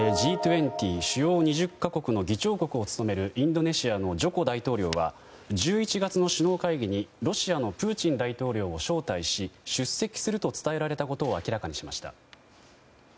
Ｇ２０・主要２０か国の議長国を務めるインドネシアのジョコ大統領は１１月の首脳会議にロシアのプーチン大統領を招待し出席すると伝えられたことを明らかにしました。